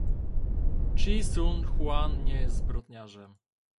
Chee Soon Juan nie jest zbrodniarzem